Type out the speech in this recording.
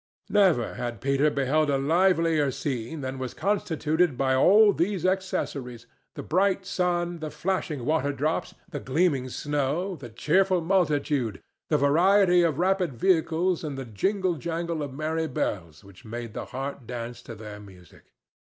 Never had Peter beheld a livelier scene than was constituted by all these accessories—the bright sun, the flashing water drops, the gleaming snow, the cheerful multitude, the variety of rapid vehicles and the jingle jangle of merry bells which made the heart dance to their music.